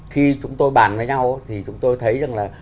khi chúng tôi bàn với nhau thì chúng tôi thấy rằng là